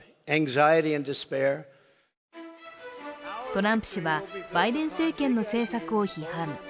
トランプ氏は、バイデン政権の政策を批判。